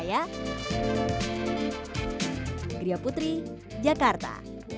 ya gria putri jakarta